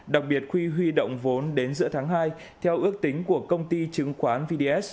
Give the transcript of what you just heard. đặc biệt khi huy động vốn đến giữa tháng hai theo ước tính của công ty chứng khoán vds